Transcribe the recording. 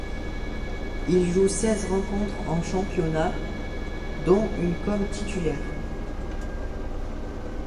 Il joue seize rencontres en championnat, dont une comme titulaire.